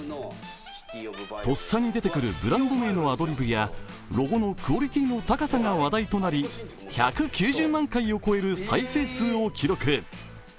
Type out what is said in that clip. とっさに出てくるブランド名のアドリブやロゴのクオリティーの高さが話題となり１９０万回を超える再生数を記録。